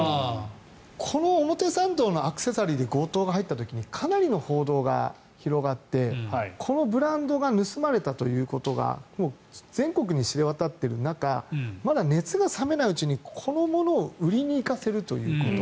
この表参道のアクセサリー店で強盗が入った時にかなりの報道が広がってこのブランドが盗まれたということが全国に知れ渡ってる中まだ熱が冷めないうちにこの者を売りに行かせるということ。